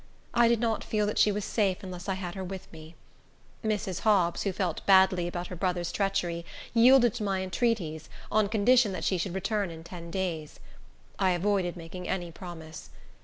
I did not feel that she was safe unless I had her with me. Mrs. Hobbs, who felt badly about her brother's treachery, yielded to my entreaties, on condition that she should return in ten days. I avoided making any promise.